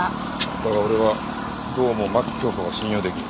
だが俺はどうも牧京子が信用出来ん。